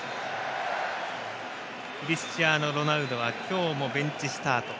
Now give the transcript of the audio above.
クリスチアーノ・ロナウドは今日もベンチスタート。